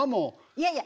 いやいや！